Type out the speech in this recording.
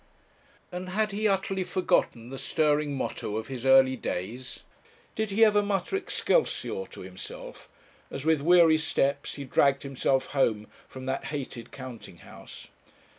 And had he utterly forgotten the stirring motto of his early days? Did he ever mutter 'Excelsior' to himself, as, with weary steps, he dragged himself home from that hated counting house?